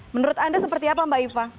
menurut anda seperti apa mbak iva